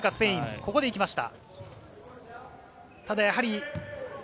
ここで行きました。